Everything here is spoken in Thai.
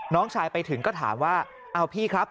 น้องชายไปถึงก็ถามว่าเอาพี่ครับ